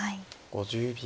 ５０秒。